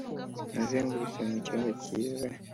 nazengurutse mu cyumba cyiza njya mu kindi,